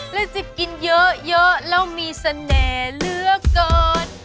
แล้วจะกินเยอะแล้วมีเสน่ห์เลือกก่อน